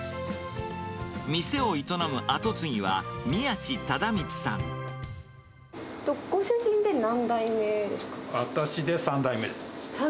店を営む後継ぎは、ご主人で何代目ですか？